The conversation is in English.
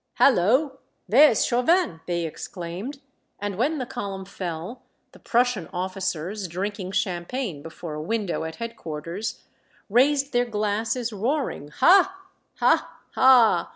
" Hallo ! there 's Chauvin !" they exclaimed, and when the Column fell, the Prussian officers, drinking champagne before a window at head quarters, raised their glasses, roaring " Ha, ha, ha